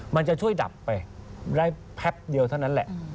มันจะช่วยดับไปได้แพ็บเดียวเท่านั้นแหละ